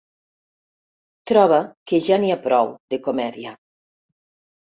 Troba que ja n'hi ha prou, de comèdia.